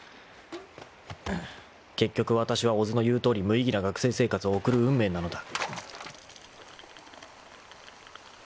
［結局わたしは小津の言うとおり無意義な学生生活を送る運命なのだ］